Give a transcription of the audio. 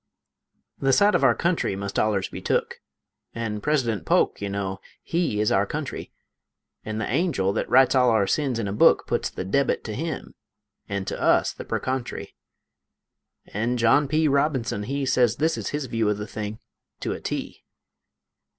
The side of our country must ollers be took, An' Presidunt Polk, you know, he is our country, An' the angel thet writes all our sins in a book Puts the debit to him, an' to us the per contry; An' John P. Robinson he Sez this is his view o' the thing to a T.